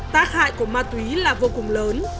tạc hại của ma túy là vô cùng lớn